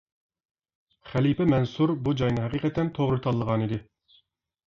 خەلىپە مەنسۇر بۇ جاينى ھەقىقەتەن توغرا تاللىغانىدى.